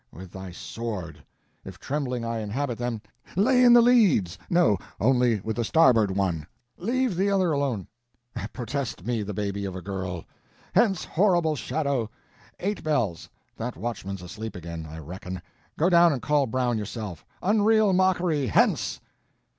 with thy sword; if trembling I inhabit then, lay in the leads!—no, only with the starboard one, leave the other alone, protest me the baby of a girl. Hence horrible shadow! eight bells—that watchman's asleep again, I reckon, go down and call Brown yourself, unreal mockery, hence!